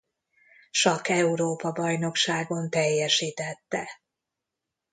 Sakk-Európa-bajnokságon teljesítette.